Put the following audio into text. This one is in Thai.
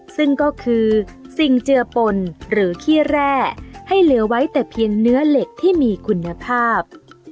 ซึ่งก็คือสิ่งเจือปนหรือขี้แร่ให้เหลือไว้แต่เพียงเนื้อเหล็กที่มีคุณภาพ